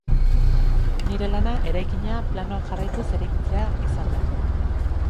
Nire lana eraikina planoak jarraituz eraikitzea izan da.